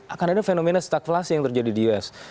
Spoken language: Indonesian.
akan ada fenomena stakflasi yang terjadi di us